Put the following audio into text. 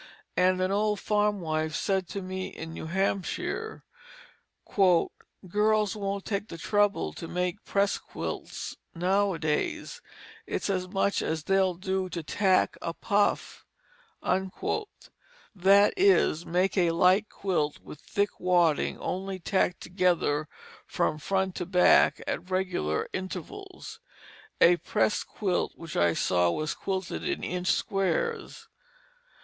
An old farm wife said to me in New Hampshire, "Girls won't take the trouble to make pressed quilts nowadays, it's as much as they'll do to tack a puff," that is, make a light quilt with thick wadding only tacked together from front to back, at regular intervals. A pressed quilt which I saw was quilted in inch squares.